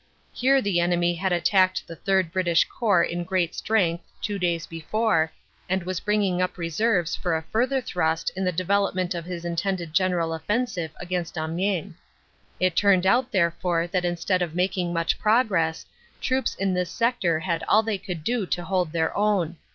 Here the enemy had attacked the III British Corps in great strength two days before, and was bringing up reserves for a further thrust in the development of his intended general offensive against Amiens. It turned out therefore that instead of making much progress, troops in this sector had all they could do to hold their own.